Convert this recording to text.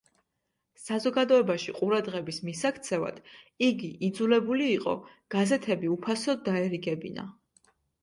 საზოგადოებაში ყურადღების მისაქცევად, იგი იძულებული იყო, გაზეთები უფასოდ დაერიგებინა.